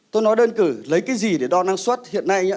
tôi nói đơn cử lấy cái gì để đo năng suất hiện nay